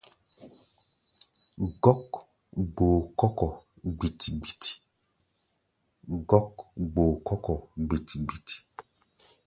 Gɔ́k gboo kɔ́ kɔ̧ gbiti-gbiti.